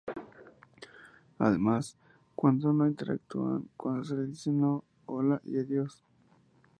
Además, cuando no interactúan cuando se le dice no, hola y adiós.